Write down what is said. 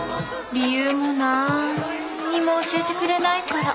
理由も何にも教えてくれないから。